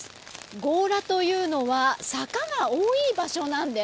強羅というのは坂が多い場所なんです。